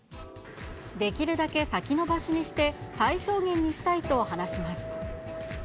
できるだけ先延ばしにして、最小限にしたいと話します。